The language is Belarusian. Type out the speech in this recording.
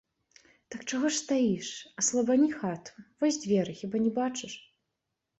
Так чаго ж стаіш, аслабані хату, вось дзверы, хіба не бачыш?